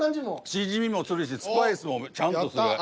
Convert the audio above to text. シジミもするしスパイスもちゃんとする。